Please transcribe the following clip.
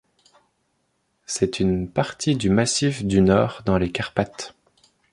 C'est une partie du massif du Nord dans les Carpates.